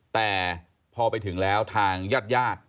แต่พอไปถึงแล้วทางญาติญาติ